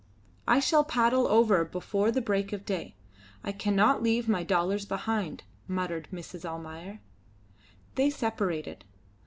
"I shall paddle over before the break of day. I cannot leave my dollars behind," muttered Mrs. Almayer. They separated.